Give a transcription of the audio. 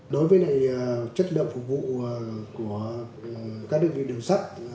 đối với chất lượng phục vụ của các đường sắt